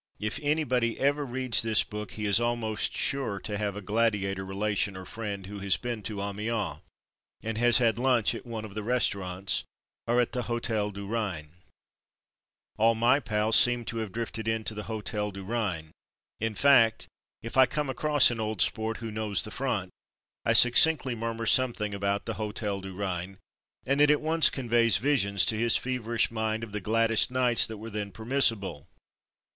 If anybody ever reads this book he is almost sure to have a gladiator relation or friend who has been to Amiens, and has had lunch ii8 From Mud to Mufti at one of the restaurants or at the '' Hotel du Rhin/' All my pals seem to have drifted ^ in to the ''Hotel du Rhin" — in fact if I come across an old sport who ''knows" the front I succulently murmur something about the "Hotel du Rhin/' and it at once conveys visions to his feverish mind of the gladdest nights that were then permissible.